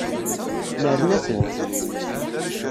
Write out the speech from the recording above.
Nerna-tent.